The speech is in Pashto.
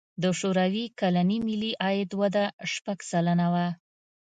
د شوروي کلني ملي عاید وده شپږ سلنه وه.